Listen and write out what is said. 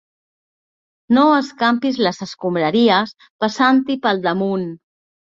No escampis les escombraries passant-hi pel damunt.